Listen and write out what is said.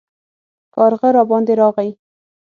کارغه راباندې راغی